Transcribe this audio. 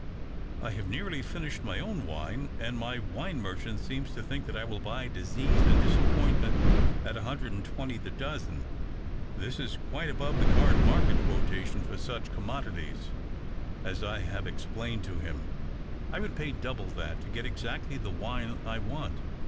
I have nearly finished my own wine, and my wine merchant seems to think that I will buy disease and disappointment at a hundred and twenty the dozen. This is quite above the current market quotation for such commodities. THE OCTAVE OF CLAUDIUS. 221 LS I have explained to him. I wouhl pay louble that to get exactly tlie wine I want.